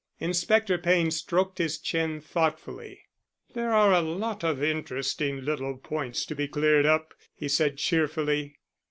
Inspector Payne stroked his chin thoughtfully. "There are a lot of interesting little points to be cleared up," he said cheerfully.